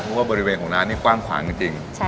เพราะว่าบริเวณของร้านนี้กว้างขวางจริง